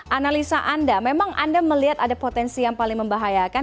analisa anda memang anda melihat ada potensi yang paling membahayakan